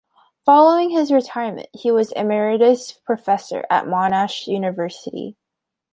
Following his retirement he was Emeritus Professor at Monash University.